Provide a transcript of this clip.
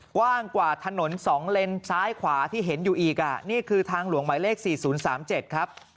กว้างกว่าถนน๒เลนซ้ายขวาที่เห็นอยู่อีกนี่คือทางหลวงหมายเลข๔๐๓๗ครับ